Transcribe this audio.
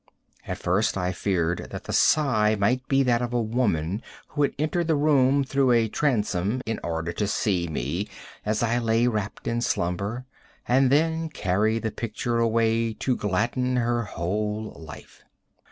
At first I feared that the sigh might be that of a woman who had entered the room through a transom in order to see me, as I lay wrapt in slumber, and then carry the picture away to gladden her whole life.